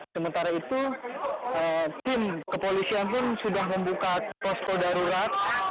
sementara itu tim kepolisian pun sudah membuka posko darurat